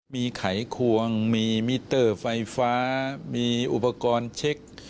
มีไขควงมีมิเตอร์ไฟฟ้ามีอุปกรณ์เช็ค